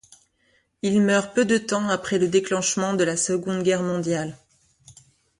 Il meurt peu de temps après le déclenchement de la Seconde Guerre mondiale.